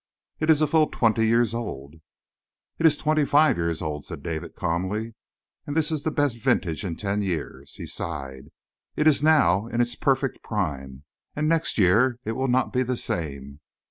"It is a full twenty years old." "It is twenty five years old," said David calmly, "and this is the best vintage in ten years." He sighed. "It is now in its perfect prime and next year it will not be the same.